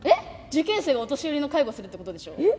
受験生がお年寄りの介護するってことでしょ？え？